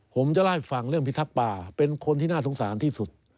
ผมจะเล่าให้ฟังเรื่องพิทักษ์ป่าเป็นคนที่น่าสงสารที่สุด